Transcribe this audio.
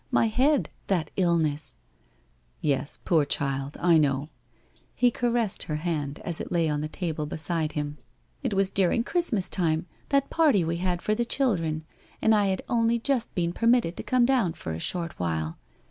My head — that illness ...'' Yes, poor child, I know/ He caressed her hand as it lay on the table beside him. * It was during Christmas time, that party we had for the children, and I had only just been permitted to come down for a short while.